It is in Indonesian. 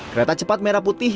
kereta cepat merah putih